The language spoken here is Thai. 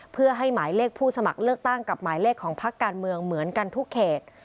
เพื่อให้หมายเลขผู้สมัครเลือกตั้งกับหมายเลขของพักการเมืองเหมือนกันทุกเขต